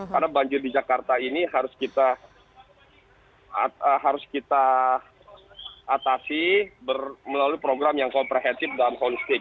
karena banjir di jakarta ini harus kita atasi melalui program yang komprehensif dan konstit